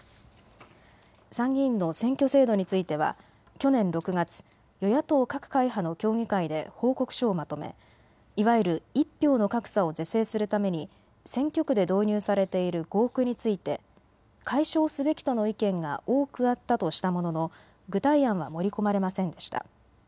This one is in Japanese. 参議院の選挙制度については去年６月、与野党各会派の協議会で報告書をまとめ、いわゆる１票の格差を是正するために選挙区で導入されている合区について解消すべきとの意見が多くあったとしたものの具体案は盛り込まれませんでした。